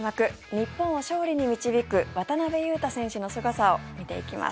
日本を勝利に導く渡邊雄太選手のすごさを見ていきます。